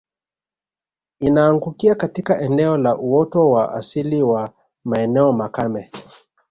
Inaangukia katika eneo la uoto wa asili wa maeneo makame